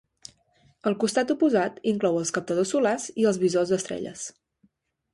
El costat oposat inclou els captadors solars i els visors d'estrelles.